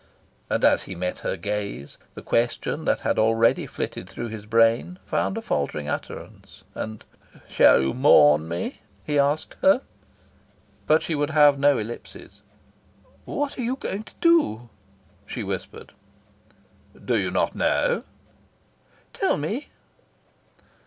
And, as he met her gaze, the question that had already flitted through his brain found a faltering utterance; and "Shall you mourn me?" he asked her. But she would have no ellipses. "What are you going to do?" she whispered. "Do you not know?" "Tell me."